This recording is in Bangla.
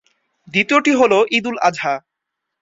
দ্বিতীয়টি হলো ঈদুল আযহা।